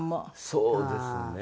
そうですね。